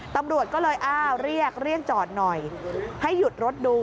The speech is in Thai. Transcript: ตำรวจก็เลยอ้าวเรียกเรียกจอดหน่อยให้หยุดรถดู